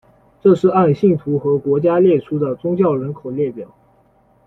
这是按信徒和国家列出的宗教人口列表。